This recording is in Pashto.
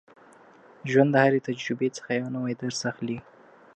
ژوند د هرې تجربې څخه یو نوی درس اخلي.